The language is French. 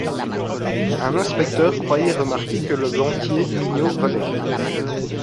Un inspecteur croyait remarquer que le gantier Mignot volait.